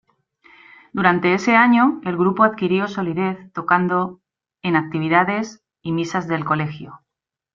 Durante ese año el grupo adquirió solidez tocando en actividades y misas del Colegio.